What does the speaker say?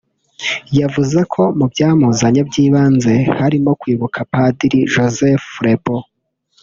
yavuze ko mu byamuzanye by’ibanze harimo kwibuka Padiri Joseph Fraipont